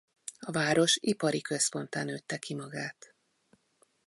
A város ipari központtá nőtte ki magát.